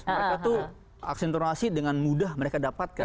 mereka tuh aksi internasional dengan mudah mereka dapatkan